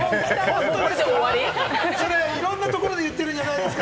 それ、いろんなところで言ってるんじゃないですか？